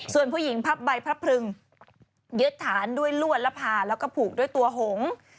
ส่วนผู้หญิงพับใบพระพรึงยึดฐานด้วยลวดและพาแล้วก็ผูกด้วยตัวหง